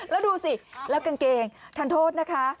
แล้วดูสิแล้วกางเกงทานโทษนะคะ